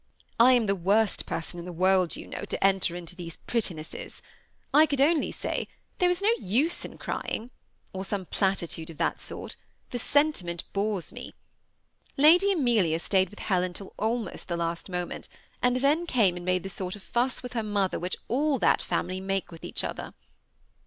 I am the worst person in the world, you know, to enter into these prettinesses. I could only say, ' There was no use in crying,' or some platitude of that sort, for sentiment bores me. Lady Amelia stayed with Helen till almost the last moment, and then came and made the sort of fuss with her mother which all that family make with each other.